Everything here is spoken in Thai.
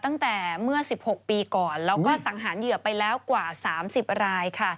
ตั้งแต่เมื่อ๑๖ปีก่อนแล้วก็สังหารเหยื่อไปแล้วกว่า๓๐รายค่ะ